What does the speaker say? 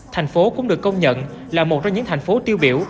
thành phố cũng được công nhận là một trong những thành phố tiêu biểu